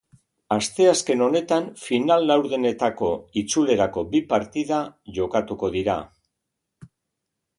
Asteazken honetan final-laurdenetako itzulerako bi partida jokatuko dira.